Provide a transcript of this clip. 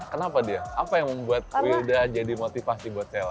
kenapa dia apa yang membuat wilda jadi motivasi buat cell